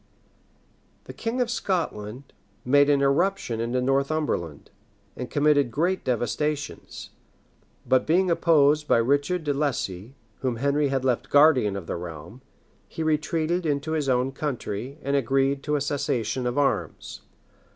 ] The king of Scotland made an irruption into Northumberland, and committed great devastations; but being opposed by Richard de Lucy, whom Henry had left guardian of the realm, he retreated into his own country, and agreed to a cessation of arms.